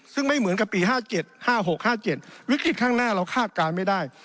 ซึ่งไม่เหมือนกับปี๕๗๕๖๕๗วิกฤตข้างหน้าเราคาดการณ์ไม่ได้